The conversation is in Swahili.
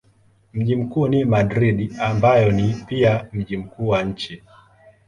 Mji mkuu ni Madrid ambayo ni pia mji mkubwa wa nchi.